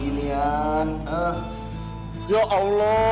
jadi human makan di revan